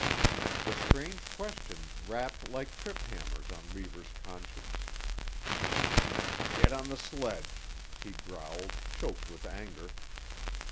The strange questions rapped like trip hammers on Reivers' conscience. "Get on the sledge!" he growled, choked with anger.